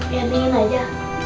ya dingin aja